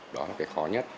đó là cái khó nhất